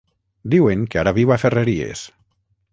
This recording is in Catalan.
Diuen que ara viu a Ferreries.